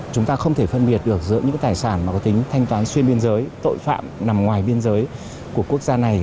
chúng ta không thể phân biệt được giữa những tài sản mà có tính thanh toán xuyên biên giới tội phạm nằm ngoài biên giới của quốc gia này